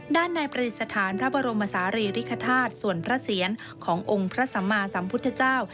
ด้านในประดิษฐานพระบรมศาลีริคธาตุส่วนพระเสียรขององค์พระสัมมาสัมพุทธเจ้า